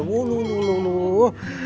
wuluh wuluh wuluh